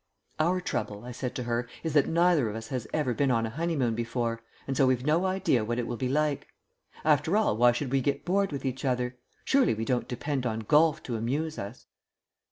"Our trouble," I said to her, "is that neither of us has ever been on a honeymoon before, and so we've no idea what it will be like. After all, why should we get bored with each other? Surely we don't depend on golf to amuse us?"